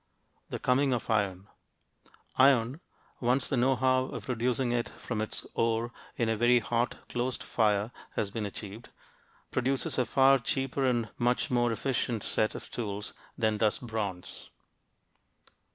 THE COMING OF IRON Iron once the know how of reducing it from its ore in a very hot, closed fire has been achieved produces a far cheaper and much more efficient set of tools than does bronze.